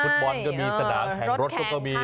ฟุตบอลก็มีสนามแข่งรถก็มี